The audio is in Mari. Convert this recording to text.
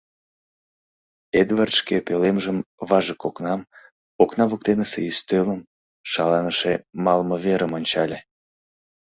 Эдвард шке пӧлемжым — важык окнам, окна воктенысе ӱстелым, шаланыше малымверым ончале.